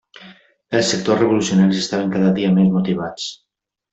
Els sectors revolucionaris estaven cada dia més motivats.